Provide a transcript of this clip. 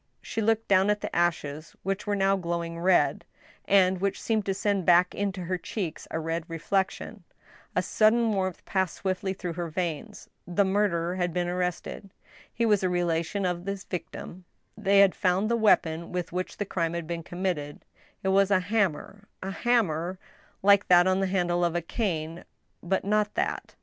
She looked down at the ashes which were now glowing red, and which seemed to send back into her cheeks a red reflection; a sudden warmth passed swiftly through her veins. The murderer had been arrested. He was a relation of his victim. They had found the weapon with which the crime had been committed ; it was a hammer, a hammer 123 '^H^ STEEL HAMMER, like that on the handle of a cane, but not that.